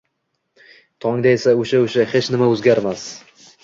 Tongda esa o‘sha-o‘sha hech nima o‘zgarmas.